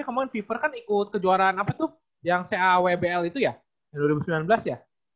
kemudian viver kan ikut kejuaraan apa tuh yang cawbl itu ya dua ribu sembilan belas ya